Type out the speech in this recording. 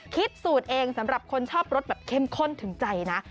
คิดสูตรเองสำหรับคนชอบรสแบบเข้มข้นถึงใจนะ